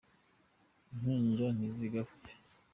Impinja ntizigapfe.